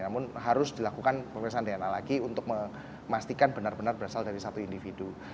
namun harus dilakukan pemeriksaan dna lagi untuk memastikan benar benar berasal dari satu individu